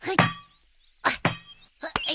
あっ。